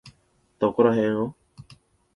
どこらへんを？